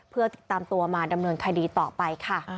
เพื่อติดตามตัวมาดำเนินคดีต่อไปค่ะ